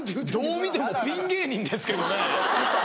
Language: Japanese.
どう見てもピン芸人ですけどね。